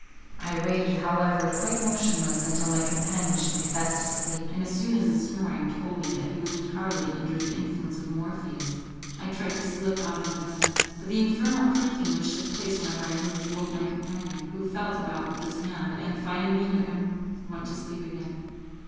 I waited, however, quite motionless, until my companion should be fast asleep, and as soon as his snoring told me that he was entirely under the influence of Morpheus, I tried to slip out of the bed; but the infernal creaking which took place whenever I moved, woke my companion, who felt about with his hand, and, finding me near him, went to sleep again.